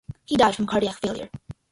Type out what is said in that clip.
He died from a cardiac failure.